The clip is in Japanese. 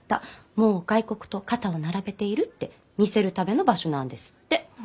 もう外国と肩を並べている」って見せるための場所なんですって。